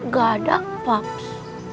gak ada paps